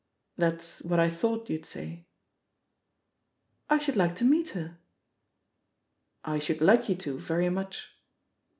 "That's what I thought you'd say." "I should like to meet her." "I should like you to, very much."